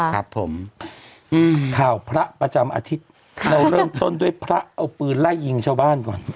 ครับผมข่าวพระประจำอาทิตย์เราเริ่มต้นด้วยพระเอาปืนไล่ยิงชาวบ้านก่อน